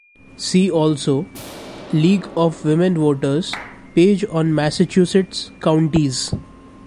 See also: League of Women Voters page on Massachusetts counties.